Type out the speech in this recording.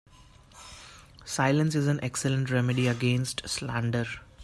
Silence is an excellent remedy against slander.